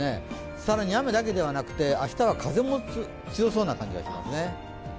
更に雨だけでなく、明日は風も強そうな感じですね。